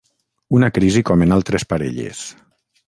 Una crisi com en altres parelles.